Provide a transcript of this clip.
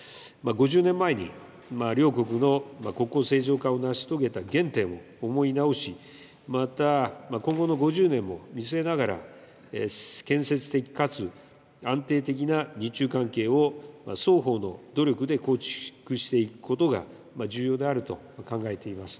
５０年前に、両国の国交正常化を成し遂げた原点を思い直し、また、今後の５０年も見据えながら、建設的かつ安定的な日中関係を、双方の努力で構築していくことが重要であると考えています。